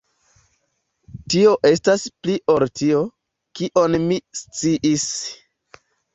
Tio estas pli ol tio, kion mi sciis.